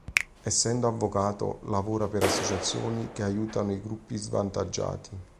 Essendo avvocato, lavora per associazioni che aiutano i gruppi svantaggiati.